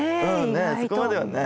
ねえそこまではね。